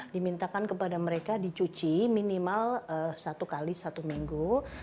dimintakan kepada mereka dicuci minimal satu x satu minggu